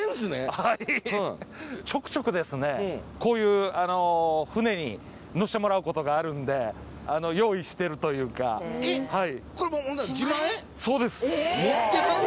はいちょくちょくですねこういう船に乗せてもらうことがあるんでというかえっこれほんなら自前？